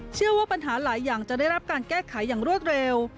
เชื่อว่าปัญหาหลายอย่างจะได้รับการแก้ไขอย่างรวดเร็ว